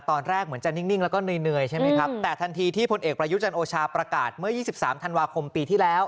ตอนแรกเหมือนจะนิ่งแล้วก็เหนื่อยใช่ไหมครับแต่ทันทีที่พลเอกประยุจันทร์โอชาประกาศเมื่อ๒๓ธันวาคมปีที่แล้ว